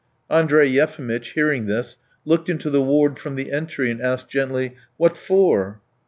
Andrey Yefimitch, hearing this, looked into the ward from the entry and asked gently: "What for?"